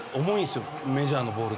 メジャーのボールって。